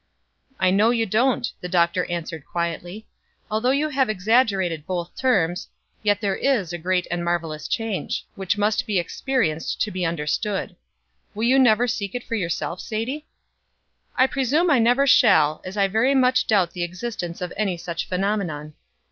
"I know you don't," the Doctor answered quietly. "Although you have exaggerated both terms, yet there is a great and marvelous change, which must be experienced to be understood. Will you never seek it for yourself, Sadie?" "I presume I never shall, as I very much doubt the existence of any such phenomenon."